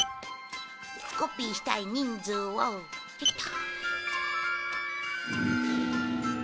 コピーしたい人数をピッと。